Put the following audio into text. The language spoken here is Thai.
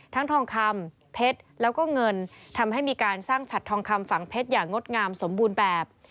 ทองคำเพชรแล้วก็เงินทำให้มีการสร้างฉัดทองคำฝังเพชรอย่างงดงามสมบูรณ์แบบ